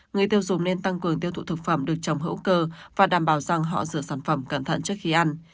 người tiêu dùng nên tăng cường tiêu thụ thực phẩm được trồng hữu cơ và đảm bảo rằng họ rửa sản phẩm cẩn thận trước khi ăn